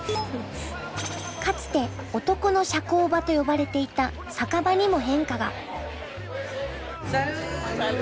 かつて「男の社交場」と呼ばれていた酒場にも変化が。